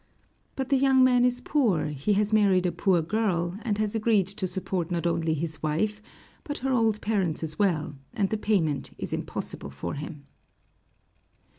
But the young man is poor; he has married a poor girl, and has agreed to support not only his wife, but her old parents as well, and the payment is impossible for him.